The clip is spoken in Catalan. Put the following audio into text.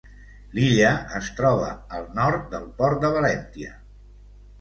L'illa es troba al nord del Port de Valentia.